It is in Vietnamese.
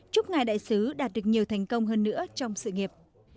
chúc ngài đại sứ đạt được nhiều thành công hơn nữa trong sự nghiệp